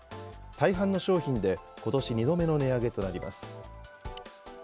大半の商品でことし２度目の値上げとなります。